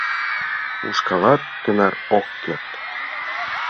Ушкалат тынар ок керт.